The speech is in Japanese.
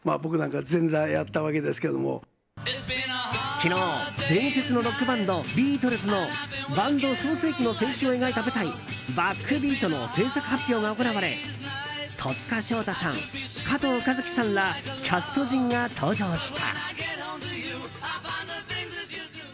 昨日、伝説のロックバンドビートルズのバンド創成期の青春を描いた舞台「ＢＡＣＫＢＥＡＴ」の製作発表が行われ戸塚祥太さん、加藤和樹さんらキャスト陣が登場した。